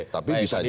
tapi bisa jadi